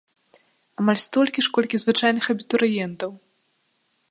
Амаль столькі ж, колькі звычайных абітурыентаў!